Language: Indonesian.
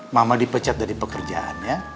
mama dipecat dari pekerjaannya